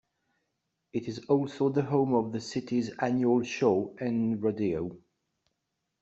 It is also the home of the city's annual show and rodeo.